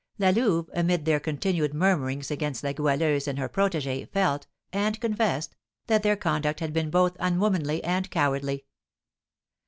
La Louve, amid their continued murmurings against La Goualeuse and her protégée, felt, and confessed, that their conduct had been both unwomanly and cowardly.